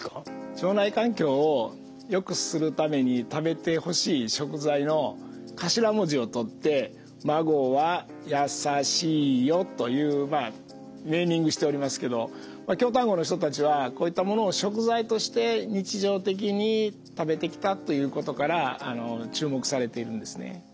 腸内環境をよくするために食べてほしい食材の頭文字を取って「まごわやさしいよ」というネーミングしておりますけど京丹後の人たちはこういったものを食材として日常的に食べてきたということから注目されているんですね。